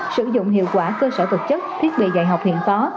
sử dụng hiệu quả cơ sở vật chất thiết bị dạy học hiện có